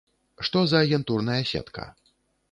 Што за агентурная сетка?